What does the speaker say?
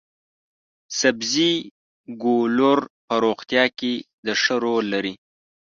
سبزي ګولور په روغتیا کې د ښه رول لري.